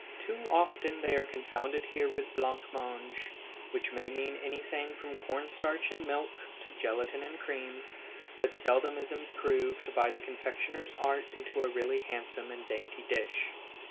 Too often they are confounded here with blanc mange, which may mean anything from corn starch and milk to gelatine and cream, but seldom is improved by the confectioner's art into a really handsome and dainty dish.